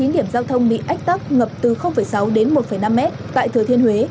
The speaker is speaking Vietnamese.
một mươi chín điểm giao thông bị ách tắc ngập từ sáu một năm m tại thừa thiên huế